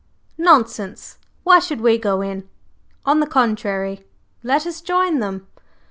"Nonsense! Why should we go in? On the contrary, let us join them."